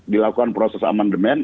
dilakukan proses amandemen